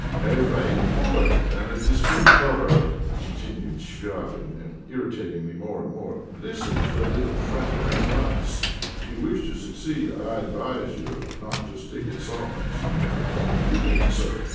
a vain poet and a discreet lover," continued Chvabrine, irritating me more and more. "Listen to a little friendly advice: if you wish to succeed, I advise you not to stick at songs." "What do you mean, sir?"